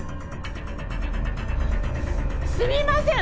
すみません！